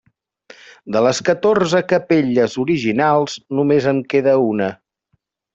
De les catorze capelles originals només en queda una.